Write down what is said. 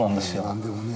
何でもね。